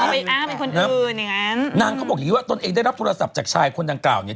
ไปอ้างเป็นคนอื่นอย่างงั้นนางเขาบอกอย่างงี้ว่าตนเองได้รับโทรศัพท์จากชายคนดังกล่าวเนี่ย